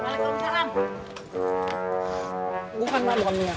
iya boleh ya